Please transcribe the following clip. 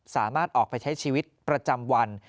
สามารถออกไปใช้ชีวิตประจำวัน